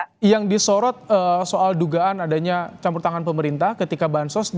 tapi ini kan yang disorot soal dugaan adanya campur tangan pemerintah ketika bahan sosial